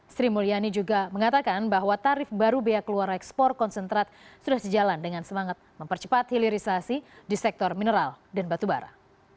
sri mulyani juga mengatakan bahwa tarif baru biaya keluar ekspor konsentrat sudah sejalan dengan semangat mempercepat hilirisasi di sektor mineral dan batu bara